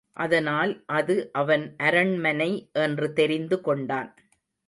அதனால் அது அவன் அரண்மனை என்று தெரிந்து கொண்டான்.